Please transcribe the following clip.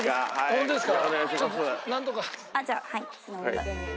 ホントですか？